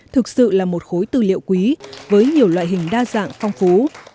thực sự là một khối tư liệu quý với nhiều loại hình đa dạng phong phú